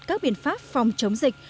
các biện pháp phòng chống dịch